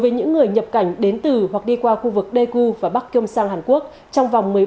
với những người nhập cảnh đến từ hoặc đi qua khu vực daegu và bắc kiêm sang hàn quốc trong vòng